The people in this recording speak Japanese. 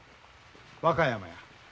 和歌山や。